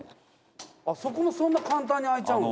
あっそこもそんな簡単に開いちゃうんだ。